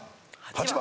８番。